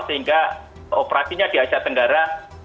sehingga operasinya di asia tenggara